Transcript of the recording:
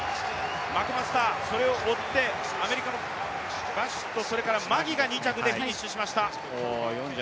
マクマスター、それを追って、アメリカのバシット、それからマギが２着でフィニッシュしました。